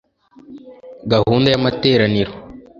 Gahunda y amateraniro